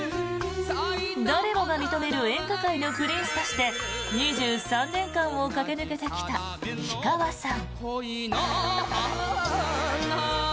誰もが認める演歌界のプリンスとして２３年間を駆け抜けてきた氷川さん。